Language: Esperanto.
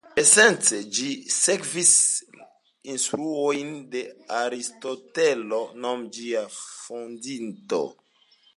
Esence, ĝi sekvis la instruojn de Aristotelo, nome ĝia fondinto.